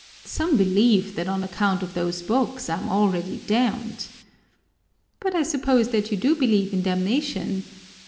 Some believe that on account of those books I am already damned " "But I suppose that you do believe in damnation?"